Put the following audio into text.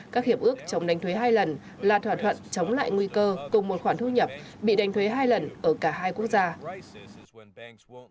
các hiệp ước chống đánh thuế hai lần là thỏa thuận chống lại nguy cơ cùng một khoản thu nhập bị đánh thuế hai lần ở cả hai quốc gia